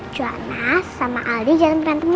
juhana sama aldi jangan bertemu lagi